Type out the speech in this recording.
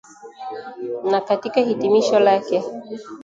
na katika hitimisho lake